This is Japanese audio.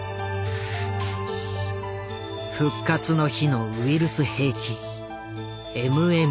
「復活の日」のウイルス兵器